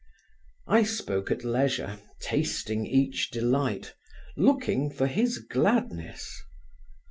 I spoke at leisure, tasting each delight, looking for his gladness.